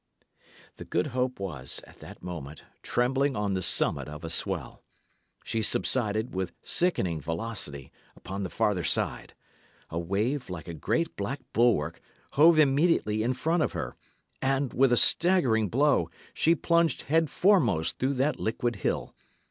The Good Hope was, at that moment, trembling on the summit of a swell. She subsided, with sickening velocity, upon the farther side. A wave, like a great black bulwark, hove immediately in front of her; and, with a staggering blow, she plunged headforemost through that liquid hill.